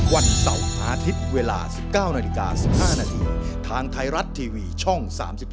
วันเสาร์อาทิตย์เวลา๑๙นาฬิกา๑๕นาทีทางไทยรัฐทีวีช่อง๓๒